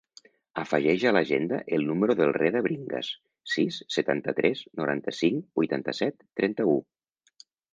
Afegeix a l'agenda el número del Reda Bringas: sis, setanta-tres, noranta-cinc, vuitanta-set, trenta-u.